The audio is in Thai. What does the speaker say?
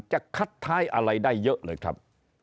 จะคัดท้ายอะไรได้เยอะเลยครับ